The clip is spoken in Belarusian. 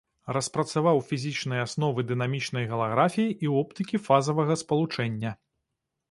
Распрацаваў фізічныя асновы дынамічнай галаграфіі і оптыкі фазавага спалучэння.